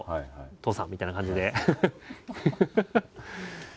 父さんみたいな感じで。